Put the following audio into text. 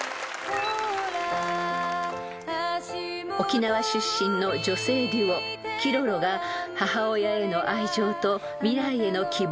［沖縄出身の女性デュオＫｉｒｏｒｏが母親への愛情と未来への希望を歌った曲］